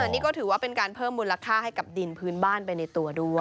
นี่ก็ถือว่าเป็นการเพิ่มมูลค่าให้กับดินพื้นบ้านไปในตัวด้วย